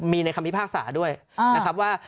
มีในคำพิพากษาด้วยนะครับว่า